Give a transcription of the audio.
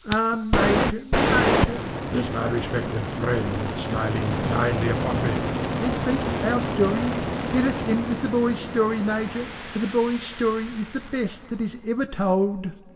"Ah, Major, Major!" says my respected friend, smiling benignly upon me, "this beats our stories. Let us end with the Boy's story, Major, for the Boy's story is the best that is ever told!"